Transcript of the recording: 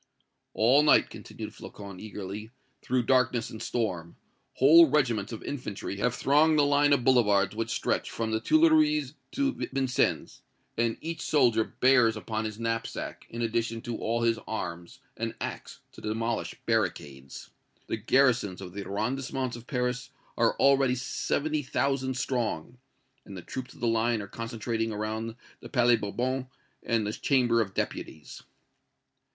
"All night," continued Flocon, eagerly, "through darkness and storm, whole regiments of infantry have thronged the line of boulevards which stretch from the Tuileries to Vincennes, and each soldier bears upon his knapsack, in addition to all his arms, an axe to demolish barricades. The garrisons of the arrondissements of Paris are already seventy thousand strong; and the troops of the Line are concentrating around the Palais Bourbon and the Chamber of Deputies."